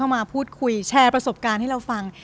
มาพูดคุยแชร์ประสบการณ์ให้เราฟัง